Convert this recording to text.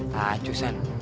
tak acu sant